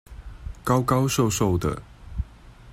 高高瘦瘦的